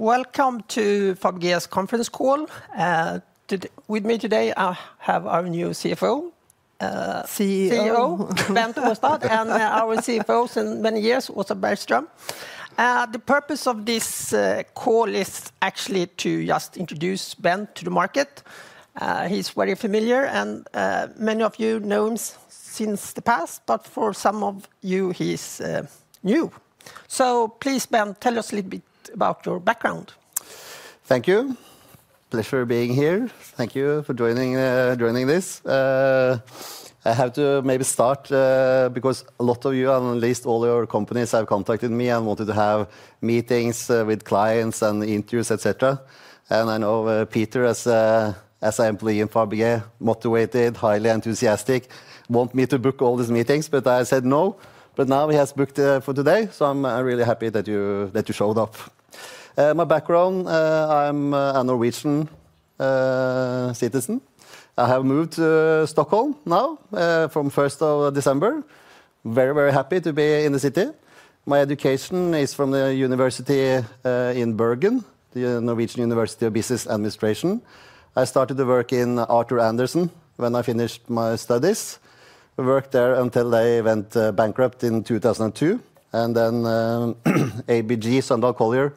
Welcome to Fabege's conference call. With me today, I have our new CEO, Bent Oustad, and our CFO for many years, Åsa Bergström. The purpose of this call is actually to just introduce Bent to the market. He's very familiar and many of you know him since the past, but for some of you, he's new. So please, Bent, tell us a little bit about your background. Thank you. Pleasure being here. Thank you for joining this. I have to maybe start because a lot of you, at least all your companies, have contacted me and wanted to have meetings with clients and interviews, et cetera. I know Peter, as an employee in Fabege, motivated, highly enthusiastic, wanted me to book all these meetings, but I said no. Now he has booked for today, so I'm really happy that you showed up. My background, I'm a Norwegian citizen. I have moved to Stockholm now from 1st of December. Very, very happy to be in the city. My education is from the university in Bergen, the Norwegian University of Business Administration. I started to work in Arthur Andersen when I finished my studies. I worked there until they went bankrupt in 2002. Then ABG Sundal Collier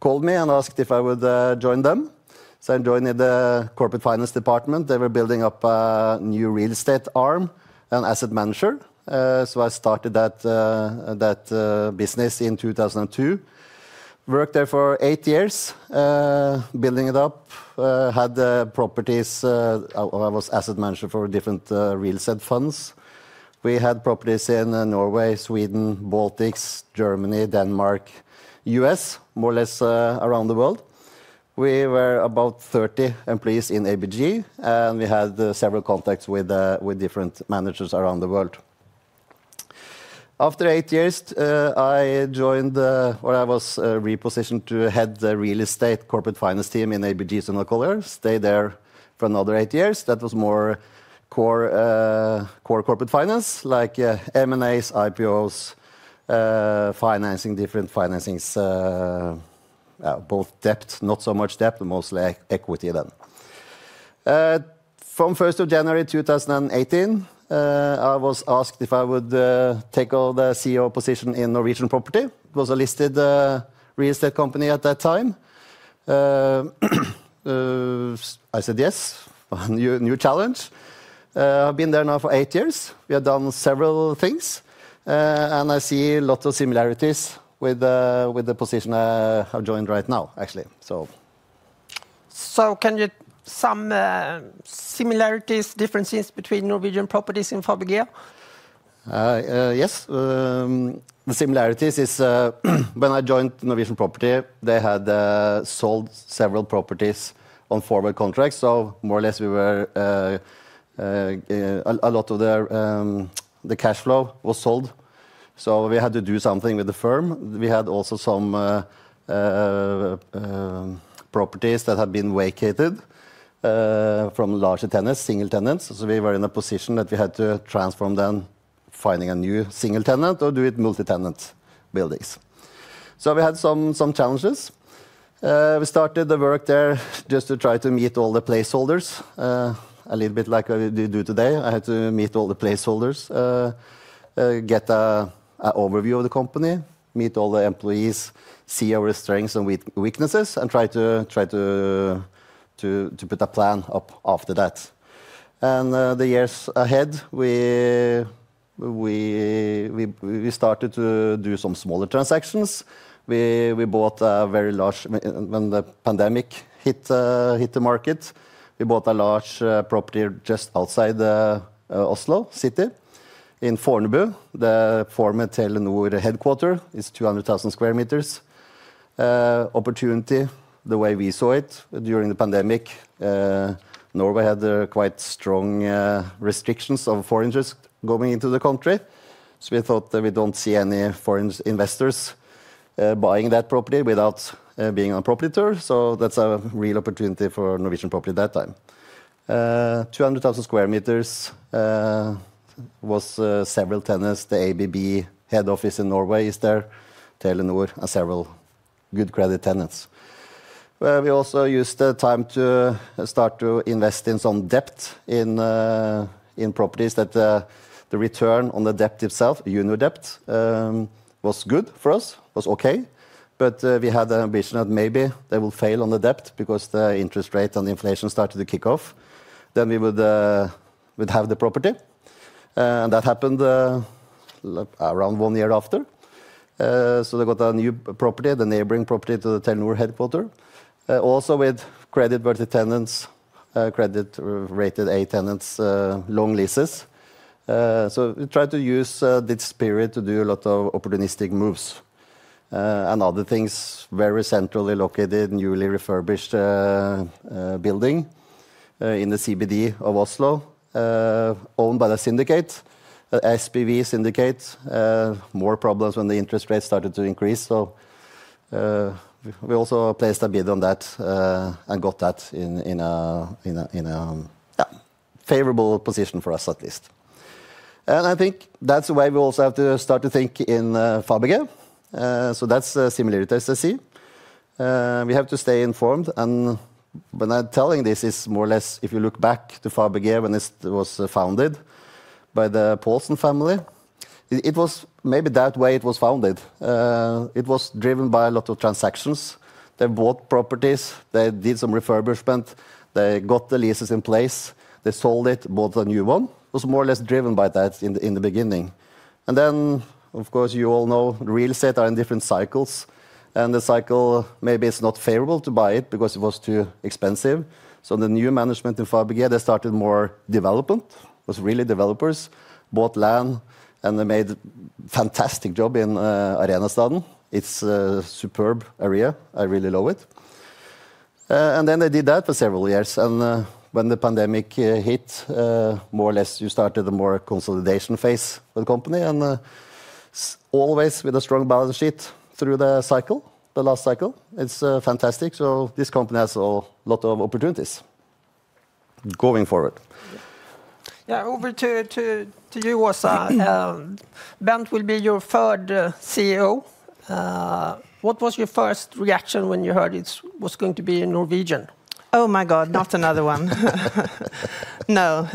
called me and asked if I would join them. So I joined the corporate finance department. They were building up a new real estate arm and asset manager. So I started that business in 2002. Worked there for eight years, building it up. Had properties. I was asset manager for different real estate funds. We had properties in Norway, Sweden, Baltics, Germany, Denmark, U.S., more or less around the world. We were about 30 employees in ABG, and we had several contacts with different managers around the world. After eight years, I joined or I was repositioned to head the real estate corporate finance team in ABG Sundal Collier, stayed there for another eight years. That was more core corporate finance, like M&As, IPOs, financing, different financings, both debt, not so much debt, mostly equity then. From 1st of January 2018, I was asked if I would take on the CEO position in Norwegian Property. It was a listed real estate company at that time. I said yes, new challenge. I've been there now for eight years. We have done several things, and I see lots of similarities with the position I have joined right now, actually. Can you some similarities, differences between Norwegian Property and Fabege? Yes. The similarities is when I joined Norwegian Property, they had sold several properties on forward contracts. So more or less, a lot of the cash flow was sold. So we had to do something with the firm. We had also some properties that had been vacated by larger tenants, single tenants. So we were in a position that we had to transform them, finding a new single tenant or do it multi-tenant buildings. So we had some challenges. We started the work there just to try to meet all the stakeholders, a little bit like what we do today. I had to meet all the stakeholders, get an overview of the company, meet all the employees, see our strengths and weaknesses, and try to put a plan up after that, and the years ahead, we started to do some smaller transactions. We bought a very large when the pandemic hit the market. We bought a large property just outside Oslo city in Fornebu. The Fornebu Telenor headquarters is 200,000 sq m. Opportunity, the way we saw it during the pandemic, Norway had quite strong restrictions on foreigners coming into the country. So we thought that we don't see any foreign investors buying that property without being on a property tour. So that's a real opportunity for Norwegian Property at that time. 200,000 sq m was several tenants. The ABB head office in Norway is there, Telenor, and several good credit tenants. We also used the time to start to invest in some debt in properties that the return on the debt itself, junior debt, was good for us, was okay. But we had the ambition that maybe they will fail on the debt because the interest rate and inflation started to kick off. Then we would have the property. And that happened around one year after. So they got a new property, the neighboring property to the Telenor headquarters, also with credit-worthy tenants, credit-rated tenants, long leases. So we tried to use this period to do a lot of opportunistic moves and other things, very centrally located, newly refurbished building in the CBD of Oslo, owned by the syndicate, the SPV syndicate. More problems when the interest rates started to increase. So we also placed a bid on that and got that in a favorable position for us, at least. And I think that's the way we also have to start to think in Fabege. So that's the similarities I see. We have to stay informed. When I'm telling this, it's more or less if you look back to Fabege when it was founded by the Paulsson family, it was maybe that way it was founded. It was driven by a lot of transactions. They bought properties, they did some refurbishment, they got the leases in place, they sold it, bought a new one. It was more or less driven by that in the beginning. And then, of course, you all know real estate are in different cycles. And the cycle, maybe it's not favorable to buy it because it was too expensive. So the new management in Fabege, they started more development, was really developers, bought land, and they made a fantastic job in Arenastaden. It's a superb area. I really love it. And then they did that for several years. When the pandemic hit, more or less, you started a more consolidation phase for the company. Always with a strong balance sheet through the cycle, the last cycle. It's fantastic. This company has a lot of opportunities going forward. Yeah, over to you, Åsa. Bent will be your third CEO. What was your first reaction when you heard it was going to be in Norwegian? Oh, my God, not another one. No.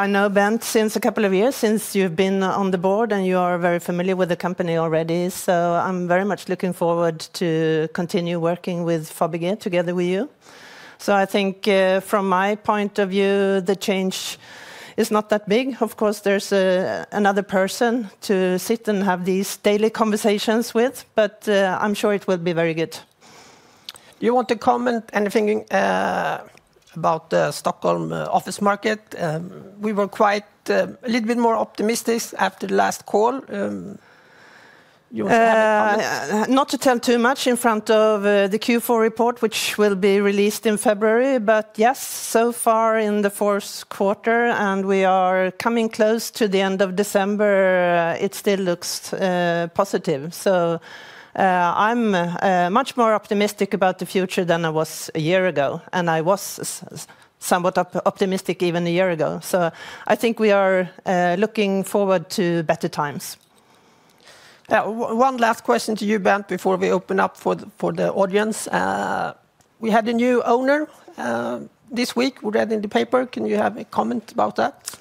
I know Bent since a couple of years, since you've been on the board and you are very familiar with the company already. So I'm very much looking forward to continue working with Fabege together with you. So I think from my point of view, the change is not that big. Of course, there's another person to sit and have these daily conversations with, but I'm sure it will be very good. Do you want to comment anything about the Stockholm office market? We were quite a little bit more optimistic after the last call. You want to have a comment? Not to tell too much in front of the Q4 report, which will be released in February. But yes, so far in the fourth quarter, and we are coming close to the end of December, it still looks positive. So I'm much more optimistic about the future than I was a year ago. And I was somewhat optimistic even a year ago. So I think we are looking forward to better times. Yeah, one last question to you, Bent, before we open up for the audience. We had a new owner this week. We read in the paper. Can you have a comment about that?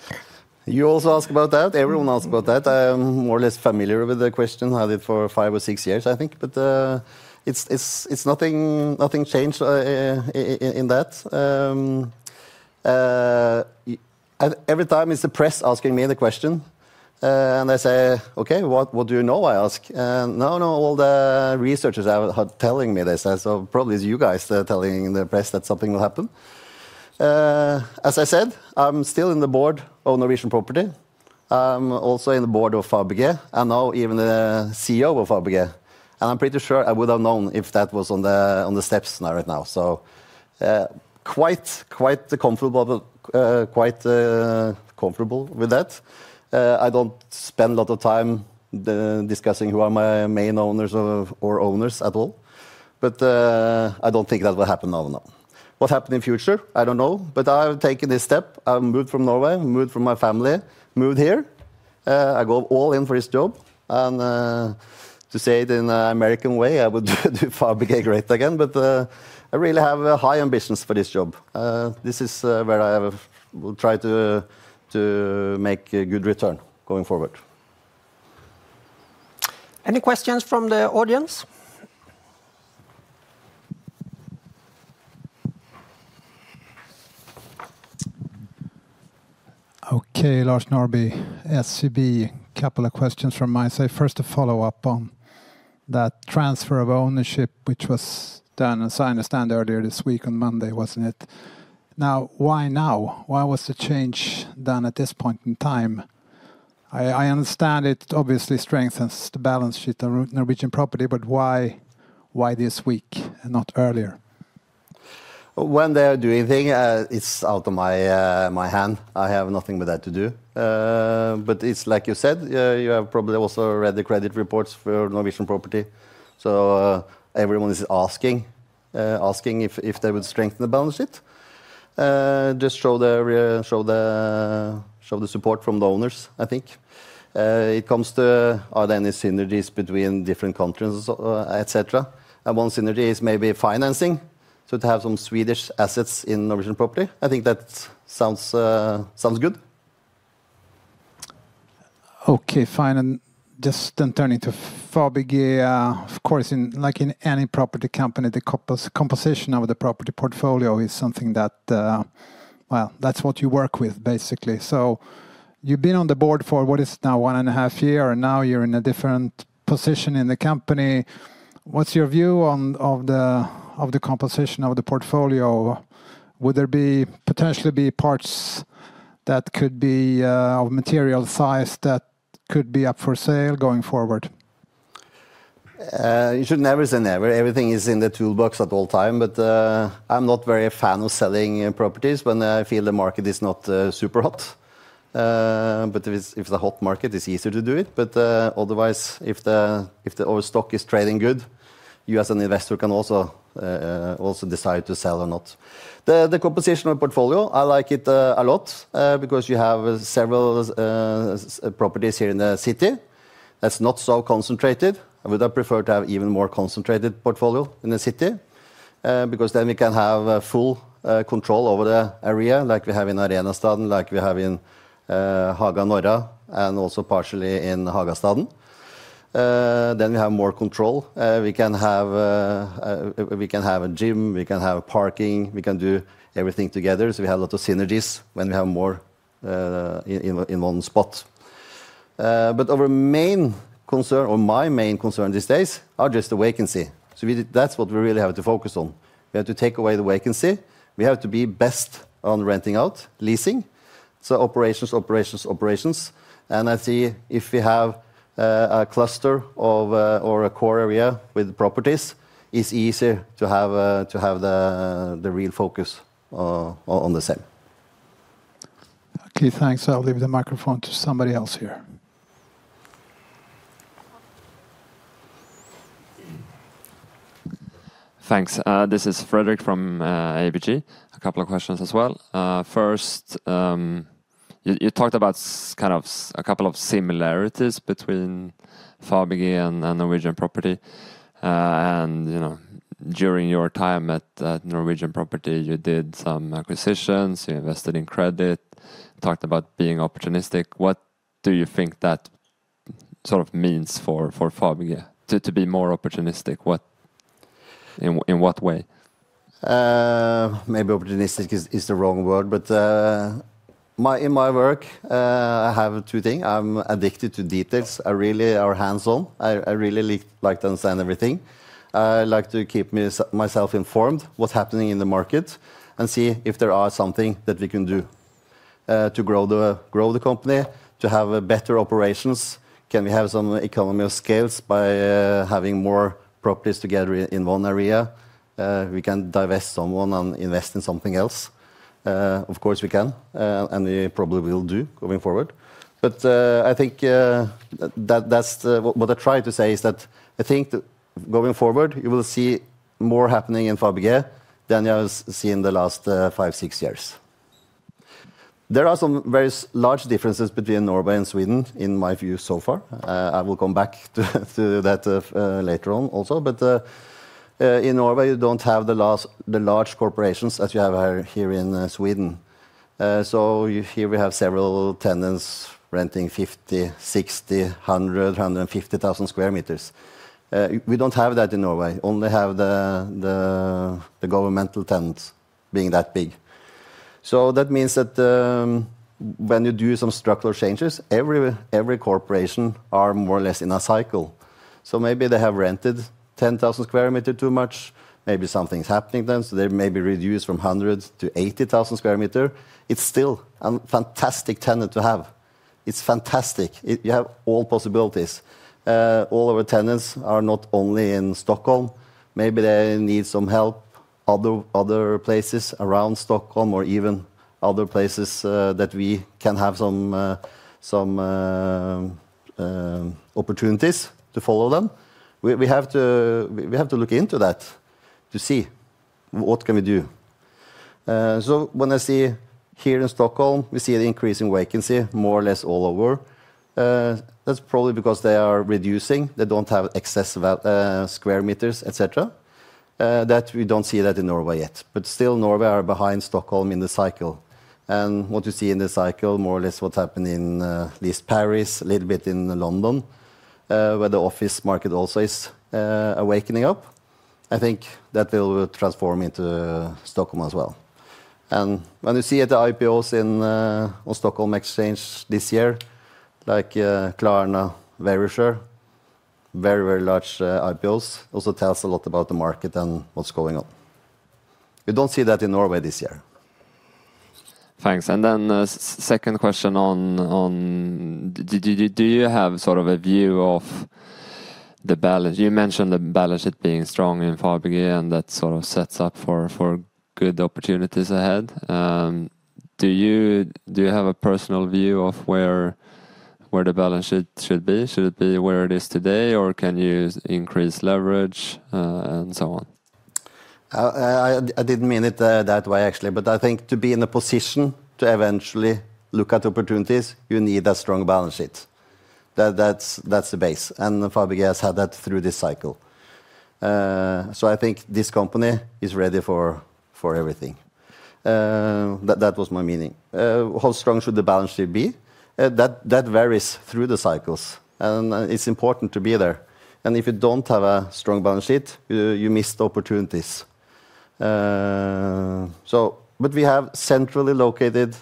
You also ask about that. Everyone asks about that. I am more or less familiar with the question. I had it for five or six years, I think, but it's nothing changed in that. Every time it's the press asking me the question, and I say, okay, what do you know? I ask. No, no, all the researchers are telling me this, so probably it's you guys telling the press that something will happen. As I said, I'm still on the Board of Norwegian Property. I'm also on the Board of Fabege and now even the CEO of Fabege, and I'm pretty sure I would have known if that was on the steps right now, so quite comfortable with that. I don't spend a lot of time discussing who are my main owners or owners at all, but I don't think that will happen now. What happens in the future, I don't know. But I've taken this step. I've moved from Norway, moved from my family, moved here. I go all in for this job. And to say it in an American way, I would do Fabege great again. But I really have high ambitions for this job. This is where I will try to make a good return going forward. Any questions from the audience? Okay, Lars Norrby, SEB. Couple of questions from my side. First, a follow-up on that transfer of ownership, which was done, as I understand, earlier this week on Monday, wasn't it? Now, why now? Why was the change done at this point in time? I understand it obviously strengthens the balance sheet of Norwegian Property, but why this week and not earlier? When they are doing things, it's out of my hand. I have nothing with that to do. But it's like you said, you have probably also read the credit reports for Norwegian Property. So everyone is asking if they would strengthen the balance sheet, just show the support from the owners, I think. It comes to are there any synergies between different countries, et cetera, and one synergy is maybe financing, so to have some Swedish assets in Norwegian Property, I think that sounds good. Okay, fine. And just then turning to Fabege. Of course, like in any property company, the composition of the property portfolio is something that, well, that's what you work with, basically. So you've been on the Board for, what is it now, one and a half year? And now you're in a different position in the company. What's your view of the composition of the portfolio? Would there be potentially parts that could be of material size that could be up for sale going forward? It should never say never. Everything is in the toolbox at all times. But I'm not very a fan of selling properties when I feel the market is not super hot. But if it's a hot market, it's easier to do it. But otherwise, if the stock is trading good, you as an investor can also decide to sell or not. The composition of the portfolio, I like it a lot because you have several properties here in the city. That's not so concentrated. I would have preferred to have an even more concentrated portfolio in the city because then we can have full control over the area like we have in Arenastaden, like we have in Haga Norra, and also partially in Hagastaden. Then we have more control. We can have a gym, we can have parking, we can do everything together. So we have a lot of synergies when we have more in one spot. But our main concern, or my main concern these days, are just the vacancy. So that's what we really have to focus on. We have to take away the vacancy. We have to be best on renting out, leasing. So operations, operations, operations. And I see if we have a cluster or a core area with properties, it's easier to have the real focus on the same. Okay, thanks. I'll leave the microphone to somebody else here. Thanks. This is Fredrik from ABG. A couple of questions as well. First, you talked about kind of a couple of similarities between Fabege and Norwegian Property. And during your time at Norwegian Property, you did some acquisitions, you invested in credit, talked about being opportunistic. What do you think that sort of means for Fabege to be more opportunistic? In what way? Maybe opportunistic is the wrong word. But in my work, I have two things. I'm addicted to details. I really am hands-on. I really like to understand everything. I like to keep myself informed of what's happening in the market and see if there is something that we can do to grow the company, to have better operations. Can we have some economies of scale by having more properties together in one area? We can divest some and invest in something else. Of course, we can. And we probably will do going forward. But I think that's what I tried to say is that I think going forward, you will see more happening in Fabege than you have seen in the last five, six years. There are some very large differences between Norway and Sweden in my view so far. I will come back to that later on also. But in Norway, you don't have the large corporations that you have here in Sweden. So here we have several tenants renting 50, 60, 100, 150,000 sq m. We don't have that in Norway. Only have the governmental tenants being that big. So that means that when you do some structural changes, every corporation is more or less in a cycle. So maybe they have rented 10,000 sq m too much. Maybe something's happening then. So they may be reduced from 100 to 80,000 sq m. It's still a fantastic tenant to have. It's fantastic. You have all possibilities. All our tenants are not only in Stockholm. Maybe they need some help other places around Stockholm or even other places that we can have some opportunities to follow them. We have to look into that to see what can we do. So when I see here in Stockholm, we see an increasing vacancy more or less all over. That's probably because they are reducing. They don't have excess square meters, et cetera. That we don't see that in Norway yet. But still, Norway is behind Stockholm in the cycle. And what you see in the cycle, more or less what's happened in at least Paris, a little bit in London, where the office market also is waking up, I think that will transform into Stockholm as well. And when you see at the IPOs in Stockholm Exchange this year, like Klarna, Verisure, very, very large IPOs, also tells a lot about the market and what's going on. We don't see that in Norway this year. Thanks. And then second question on, do you have sort of a view of the balance? You mentioned the balance sheet being strong in Fabege and that sort of sets up for good opportunities ahead. Do you have a personal view of where the balance sheet should be? Should it be where it is today, or can you increase leverage and so on? I didn't mean it that way, actually. But I think to be in a position to eventually look at opportunities, you need a strong balance sheet. That's the base. And Fabege has had that through this cycle. So I think this company is ready for everything. That was my meaning. How strong should the balance sheet be? That varies through the cycles. And it's important to be there. And if you don't have a strong balance sheet, you miss the opportunities. But we have centrally located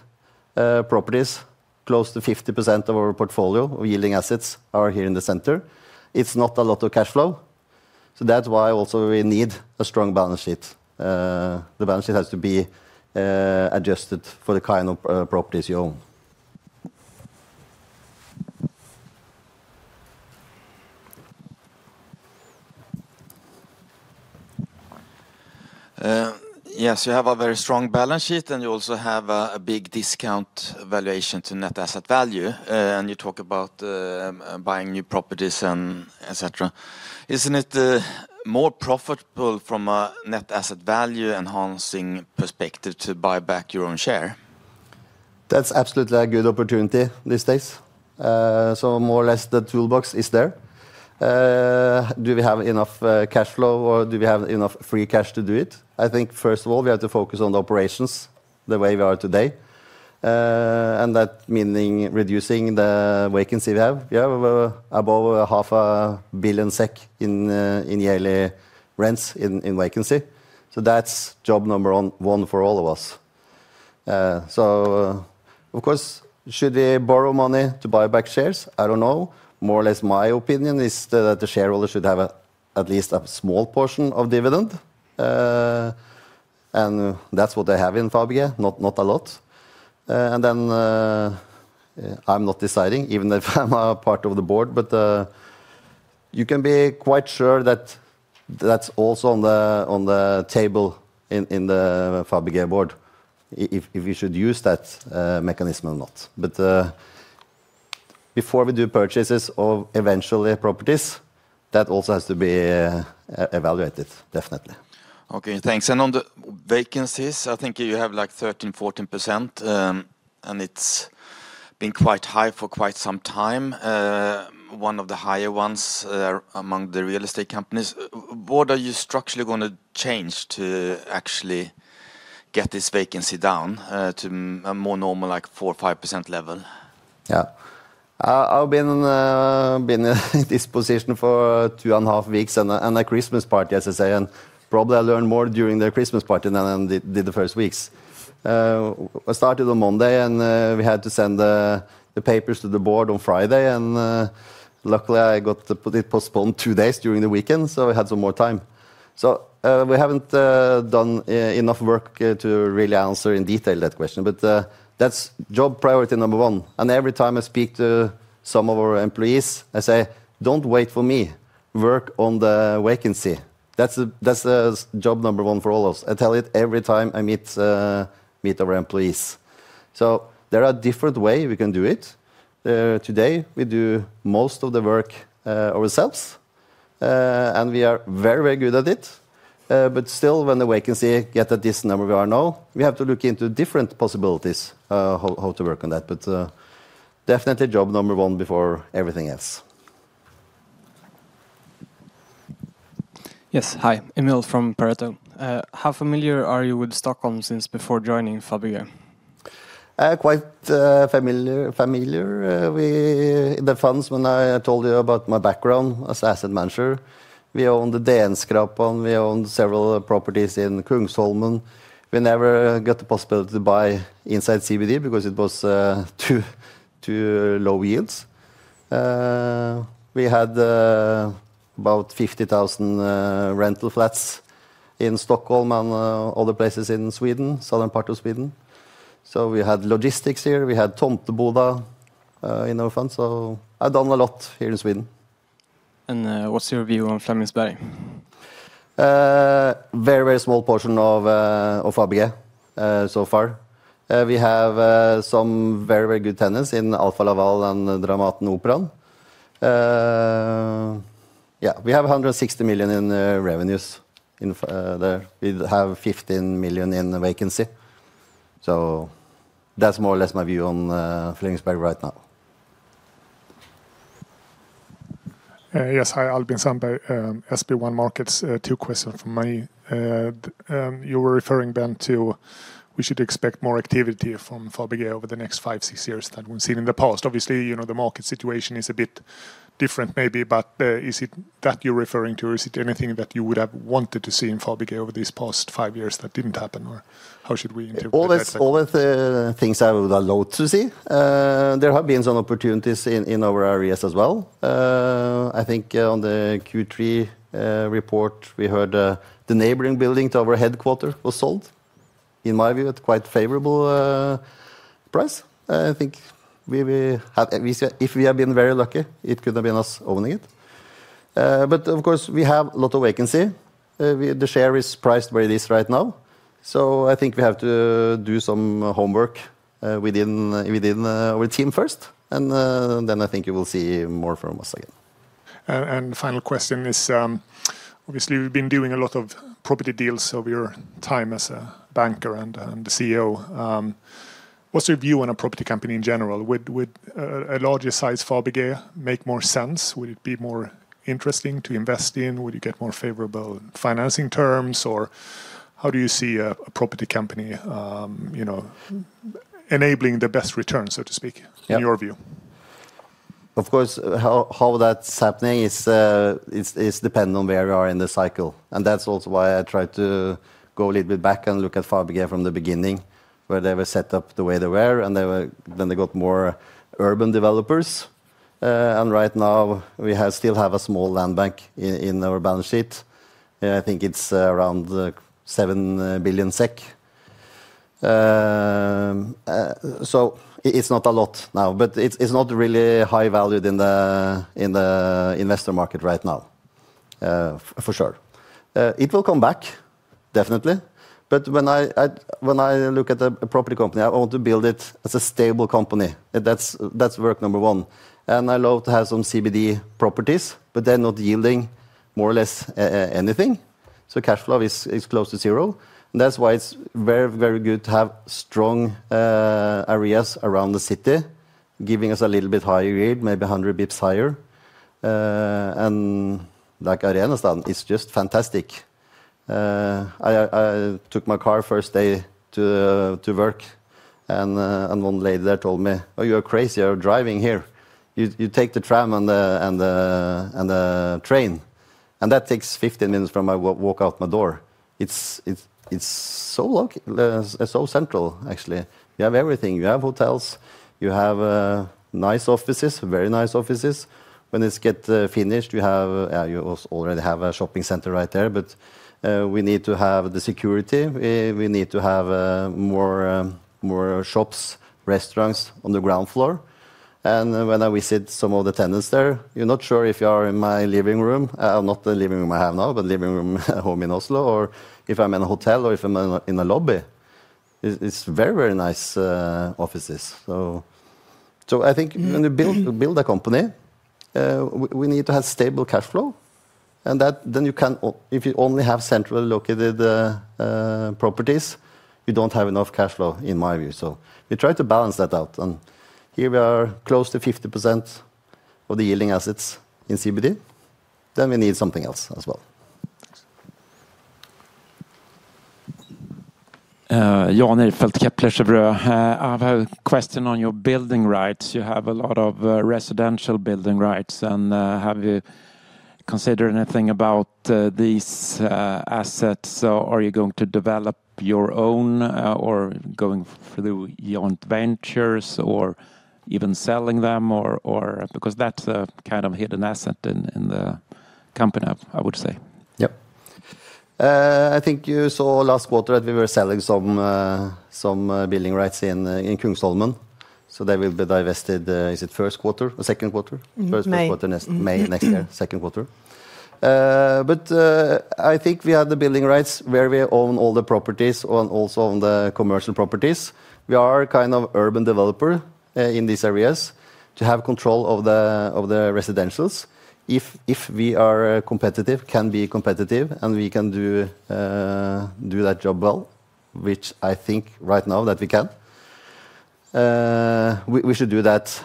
properties. Close to 50% of our portfolio of yielding assets are here in the center. It's not a lot of cash flow. So that's why also we need a strong balance sheet. The balance sheet has to be adjusted for the kind of properties you own. Yes, you have a very strong balance sheet, and you also have a big discount valuation to net asset value. And you talk about buying new properties, etc. Isn't it more profitable from a net asset value enhancing perspective to buy back your own share? That's absolutely a good opportunity these days. More or less the toolbox is there. Do we have enough cash flow, or do we have enough free cash to do it? I think first of all, we have to focus on the operations the way we are today. That meaning reducing the vacancy we have. We have above 500 million SEK in yearly rents in vacancy. That's job number one for all of us. Of course, should we borrow money to buy back shares? I don't know. More or less my opinion is that the shareholder should have at least a small portion of dividend. That's what they have in Fabege, not a lot. And then I'm not deciding, even if I'm a part of the Board, but you can be quite sure that that's also on the table in the Fabege Board if you should use that mechanism or not. But before we do purchases of eventually properties, that also has to be evaluated, definitely. Okay, thanks. And on the vacancies, I think you have like 13%-14%, and it's been quite high for quite some time. One of the higher ones among the real estate companies. What are you structurally going to change to actually get this vacancy down to a more normal like 4%-5% level? Yeah. I've been in this position for two and a half weeks and a Christmas party, as I say, and probably I learned more during the Christmas party than I did the first weeks. I started on Monday, and we had to send the papers to the Board on Friday, and luckily, I got it postponed two days during the weekend, so I had some more time, so we haven't done enough work to really answer in detail that question, but that's job priority number one, and every time I speak to some of our employees, I say, don't wait for me. Work on the vacancy. That's job number one for all of us. I tell it every time I meet our employees, so there are different ways we can do it. Today, we do most of the work ourselves, and we are very, very good at it. But still, when the vacancy gets at this number we are now, we have to look into different possibilities how to work on that. But definitely job number one before everything else. Yes, hi. Emil from Pareto. How familiar are you with Stockholm since before joining Fabege? Quite familiar. In the funds, when I told you about my background as an asset manager, we owned the DN-skrapan. We owned several properties in Kungsholmen. We never got the possibility to buy inside CBD because it was too low yields. We had about 50,000 rental flats in Stockholm and other places in Sweden, southern part of Sweden. So we had logistics here. We had Tomteboda in our funds. So I've done a lot here in Sweden. What's your view on Flemingsberg? Very, very small portion of Fabege so far. We have some very, very good tenants in Alfa Laval and Dramaten, Operan. Yeah, we have 160 million in revenues there. We have 15 million in vacancy. So that's more or less my view on Flemingsberg right now. Yes, hi, Albin Sandberg. SB1 Markets. Two questions for me. You were referring then to we should expect more activity from Fabege over the next five, six years than we've seen in the past. Obviously, the market situation is a bit different maybe, but is it that you're referring to, or is it anything that you would have wanted to see in Fabege over these past five years that didn't happen, or how should we interpret that? All the things I would like to see. There have been some opportunities in our areas as well. I think on the Q3 report, we heard the neighboring building to our headquarters was sold. In my view, it's quite a favorable price. I think if we have been very lucky, it could have been us owning it. But of course, we have a lot of vacancy. The share is priced very low right now. So I think we have to do some homework within our team first, and then I think you will see more from us again. Final question is, obviously, we've been doing a lot of property deals over your time as a banker and the CEO. What's your view on a property company in general? Would a larger size Fabege make more sense? Would it be more interesting to invest in? Would you get more favorable financing terms, or how do you see a property company enabling the best return, so to speak, in your view? Of course, how that's happening is dependent on where we are in the cycle. And that's also why I tried to go a little bit back and look at Fabege from the beginning, where they were set up the way they were, and then they got more urban developers. And right now, we still have a small land bank in our balance sheet. I think it's around 7 billion SEK. So it's not a lot now, but it's not really high valued in the investor market right now, for sure. It will come back, definitely. But when I look at a property company, I want to build it as a stable company. That's work number one. And I love to have some CBD properties, but they're not yielding more or less anything. So cash flow is close to zero. And that's why it's very, very good to have strong areas around the city, giving us a little bit higher yield, maybe 100 basis points higher. And Arenastaden is just fantastic. I took my car first day to work, and one lady there told me, "Oh, you're crazy. You're driving here. You take the tram and the train." And that takes 15 minutes from I walk out my door. It's so central, actually. You have everything. You have hotels. You have nice offices, very nice offices. When it gets finished, you already have a shopping center right there. But we need to have the security. We need to have more shops, restaurants on the ground floor. And when I visit some of the tenants there, you're not sure if you are in my living room. I'm not in the living room I have now, but living room home in Oslo, or if I'm in a hotel or if I'm in a lobby. It's very, very nice offices, so I think when you build a company, we need to have stable cash flow. And then if you only have centrally located properties, you don't have enough cash flow in my view, so we try to balance that out. And here we are close to 50% of the yielding assets in CBD, then we need something else as well. Jan Ihrfelt, Kepler Cheuvreux. I have a question on your building rights. You have a lot of residential building rights. And have you considered anything about these assets? Are you going to develop your own or going through your own ventures or even selling them? Because that's a kind of hidden asset in the company, I would say. Yep. I think you saw last quarter that we were selling some building rights in Kungsholmen, so they will be divested in the first quarter, the second quarter: first quarter next May next year, second quarter, but I think we have the building rights where we own all the properties and also own the commercial properties. We are kind of urban developer in these areas to have control of the residentials. If we are competitive, can be competitive, and we can do that job well, which I think right now that we can, we should do that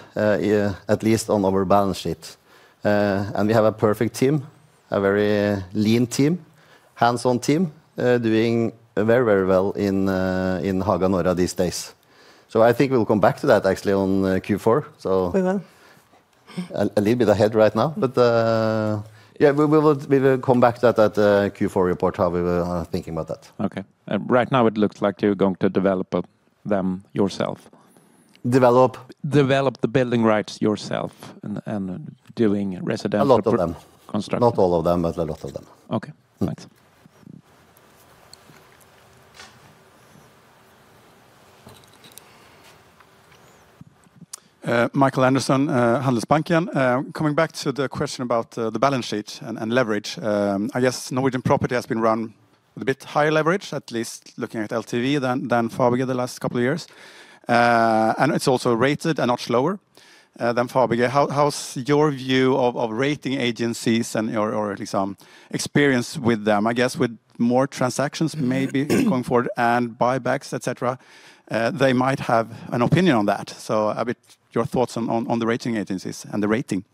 at least on our balance sheet, and we have a perfect team, a very lean team, hands-on team doing very, very well in Haga Norra these days, so I think we'll come back to that actually on Q4. We will. A little bit ahead right now, but yeah, we will come back to that Q4 report how we were thinking about that. Okay. Right now, it looks like you're going to develop them yourself. Develop. The building rights yourself and doing residential construction. Not all of them, but a lot of them. Okay. Thanks. Mikael Andersson, Handelsbanken. Coming back to the question about the balance sheet and leverage. I guess Norwegian Property has been run with a bit higher leverage, at least looking at LTV than Fabege the last couple of years, and it's also rated a notch lower than Fabege. How's your view of rating agencies and your experience with them, I guess, with more transactions maybe going forward and buybacks, etc.? They might have an opinion on that, so a bit your thoughts on the rating agencies and the rating.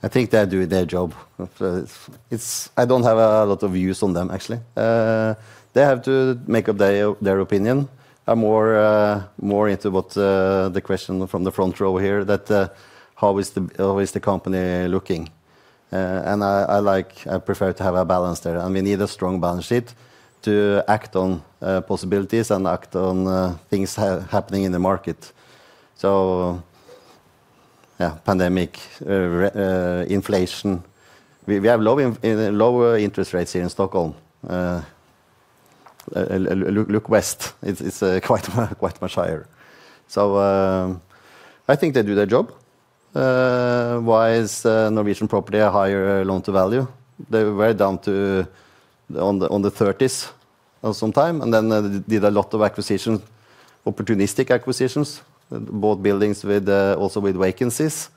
I think they're doing their job. I don't have a lot of views on them, actually. They have to make up their opinion. I'm more into what the question from the front row here, that how is the company looking? And I prefer to have a balance there. And we need a strong balance sheet to act on possibilities and act on things happening in the market. So yeah, pandemic, inflation. We have low interest rates here in Stockholm. Look west, it's quite much higher. So I think they do their job. Why is Norwegian Property a higher loan-to-value? They were down to in the 30s sometime, and then did a lot of acquisitions, opportunistic acquisitions, both buildings also with vacancies.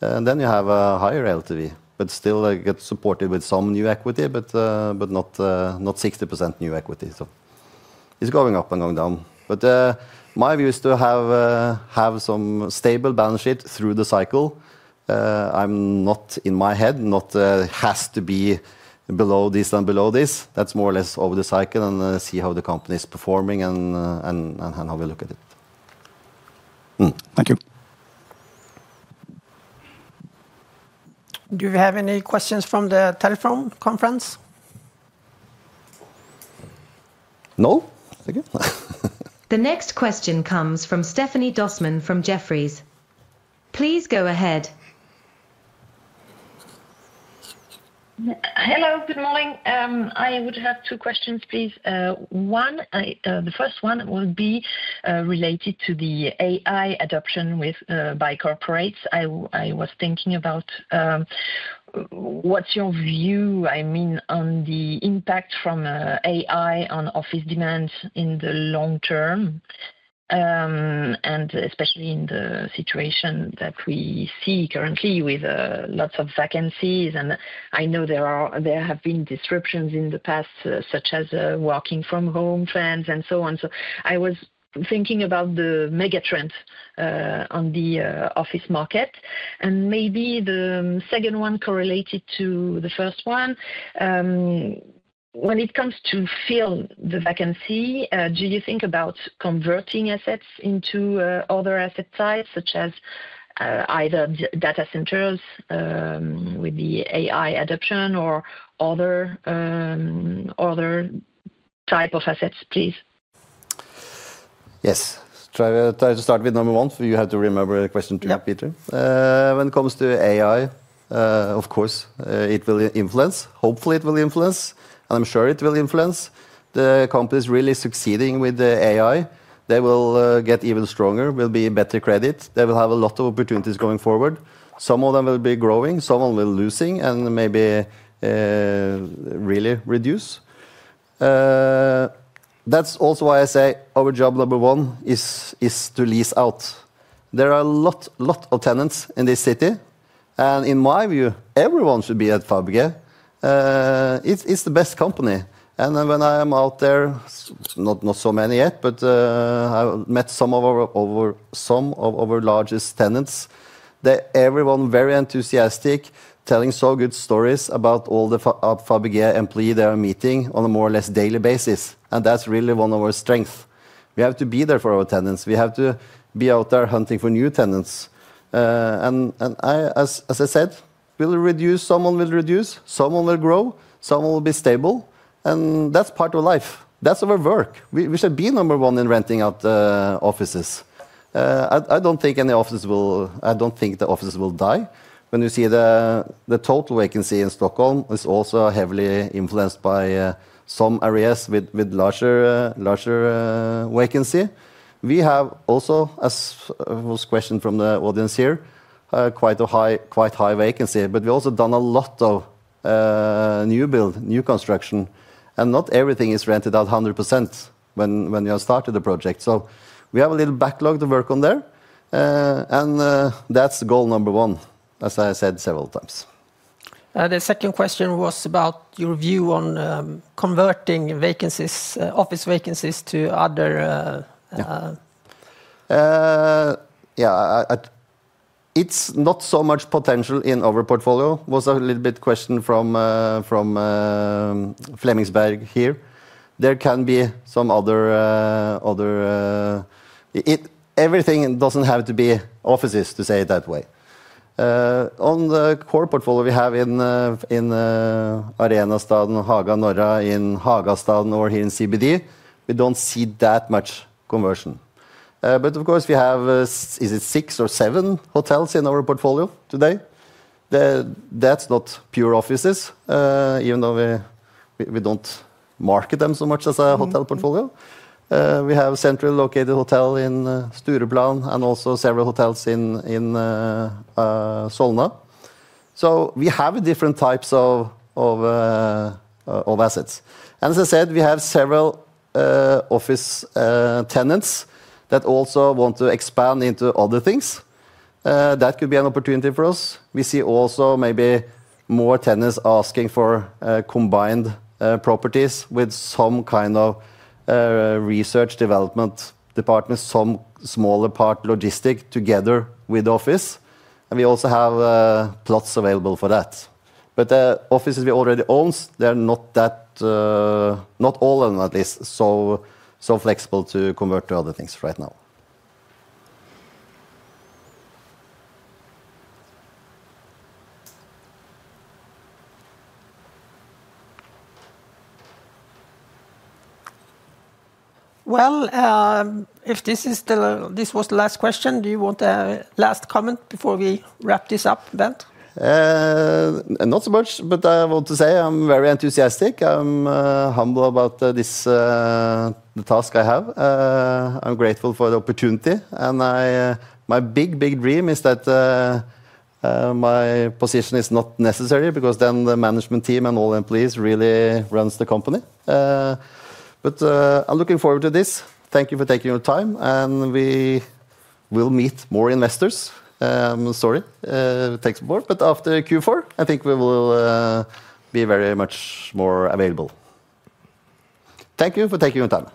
And then you have a higher LTV, but still supported with some new equity, but not 60% new equity. So it's going up and going down. But, my view is to have some stable balance sheet through the cycle. I'm not in my head, it has to be below this and below this. That's more or less over the cycle and see how the company is performing and how we look at it. Thank you. Do we have any questions from the telephone conference? No. Thank you. The next question comes from Stephanie Dossmann from Jefferies. Please go ahead. Hello, good morning. I would have two questions, please. One, the first one would be related to the AI adoption by corporates. I was thinking about what's your view, I mean, on the impact from AI on office demand in the long term, and especially in the situation that we see currently with lots of vacancies. I know there have been disruptions in the past, such as working from home trends and so on, so I was thinking about the mega trends on the office market. Maybe the second one correlated to the first one. When it comes to fill the vacancy, do you think about converting assets into other asset types, such as either data centers with the AI adoption or other type of assets, please? Yes. Try to start with number one, so you have to remember the question to repeat it. When it comes to AI, of course, it will influence. Hopefully, it will influence. And I'm sure it will influence. The companies really succeeding with the AI, they will get even stronger, will be better credit. They will have a lot of opportunities going forward. Some of them will be growing, some of them will be losing, and maybe really reduce. That's also why I say our job number one is to lease out. There are a lot of tenants in this city. And in my view, everyone should be at Fabege. It's the best company. And when I am out there, not so many yet, but I met some of our largest tenants. Everyone is very enthusiastic, telling so good stories about all the Fabege employees they are meeting on a more or less daily basis, and that's really one of our strengths. We have to be there for our tenants. We have to be out there hunting for new tenants, and as I said, someone will reduce, someone will grow, someone will be stable, and that's part of life. That's our work. We should be number one in renting out offices. I don't think any offices will, I don't think the offices will die. When you see the total vacancy in Stockholm is also heavily influenced by some areas with larger vacancy. We have also, as was questioned from the audience here, quite a high vacancy, but we've also done a lot of new build, new construction, and not everything is rented out 100% when you started the project. So we have a little backlog to work on there. And that's goal number one, as I said several times. The second question was about your view on converting vacancies, office vacancies to other. Yeah, it's not so much potential in our portfolio. There was a little bit question from Flemingsberg here. There can be some other. Everything doesn't have to be offices to say it that way. On the core portfolio we have in Arenastaden, Haga Norra, in Hagastaden or here in CBD, we don't see that much conversion. But of course, we have, is it six or seven hotels in our portfolio today? That's not pure offices, even though we don't market them so much as a hotel portfolio. We have a centrally located hotel in Stureplan and also several hotels in Solna. So we have different types of assets. And as I said, we have several office tenants that also want to expand into other things. That could be an opportunity for us. We see also maybe more tenants asking for combined properties with some kind of research development department, some smaller part logistics together with office, and we also have plots available for that, but the offices we already own, they're not that, not all at least, so flexible to convert to other things right now. If this was the last question, do you want a last comment before we wrap this up, Bent? Not so much, but I want to say I'm very enthusiastic. I'm humble about the task I have. I'm grateful for the opportunity, and my big, big dream is that my position is not necessary because then the management team and all employees really run the company, but I'm looking forward to this. Thank you for taking your time, and we will meet more investors. Sorry, takes more, but after Q4, I think we will be very much more available. Thank you for taking your time.